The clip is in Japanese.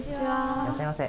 いらっしゃいませ。